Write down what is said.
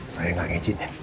saya tidak ingin